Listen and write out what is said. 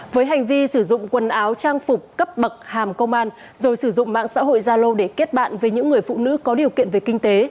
với hành vi sử dụng quần áo trang phục cấp bậc hàm công an rồi sử dụng mạng xã hội zalo để kết bạn với những người phụ nữ có điều kiện về kinh tế